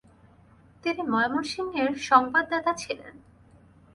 তিনি ময়মনসিংহের সংবাদদাতা ছিলেন।